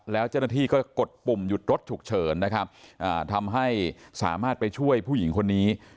แล้วเจ้าหน้าที่ก็กดปุ่มหยุดรถฉุกเฉินนะครับทำให้สามารถไปช่วยผู้หญิงคนนี้